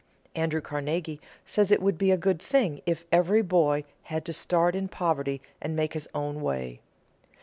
Andrew Carnegie says it would be a good thing if every boy had to start in poverty and make his own way.